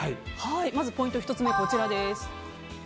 まずポイント１つ目こちらです。